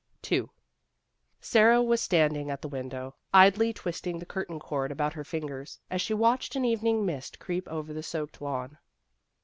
II Sara was standing at the window, idly twisting the curtain cord about her fingers, as she watched an evening mist creep over the soaked lawn.